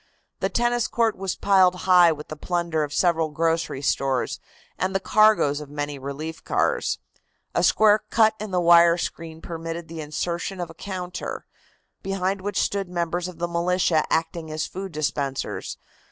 The tennis court was piled high with the plunder of several grocery stores and the cargoes of many relief cars. A square cut in the wire screen permitted of the insertion of a counter, behind which stood members of the militia acting as food dispensers.